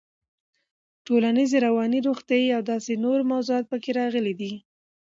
ټولنيز, رواني, روغتيايي او داسې نورو موضوعات پکې راغلي دي.